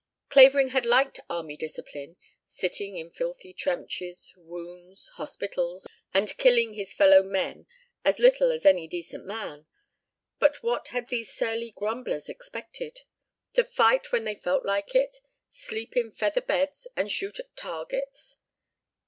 Clavering had liked army discipline, sitting in filthy trenches, wounds, hospitals, and killing his fellow men as little as any decent man; but what had these surly grumblers expected? To fight when they felt like it, sleep in feather beds, and shoot at targets?